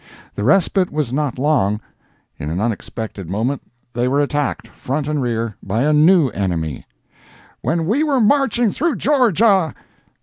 The respite was not long. In an unexpected moment they were attacked, front and rear, by a new enemy—"When we were marching through Georgia!"